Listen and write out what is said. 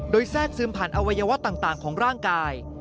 โดยแทรกซึมผ่านอวัยวะต่างของร่างกาย